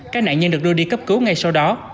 các nạn nhân được đưa đi cấp cứu ngay sau đó